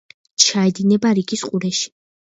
ჩაედინება რიგის ყურეში.